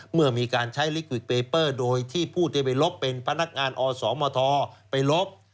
เมื่อมีการใช้ลิขวิกเปเปอร์โดยที่ผู้ที่ไปลบเป็นพนักงานอสมทไปลบ